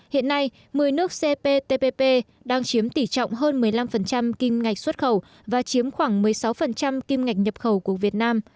hiện nay một mươi nước cptpp đang chiếm tỷ trọng hơn một mươi năm kim ngạch xuất khẩu và chiếm khoảng một mươi sáu kim ngạch nhập khẩu của việt nam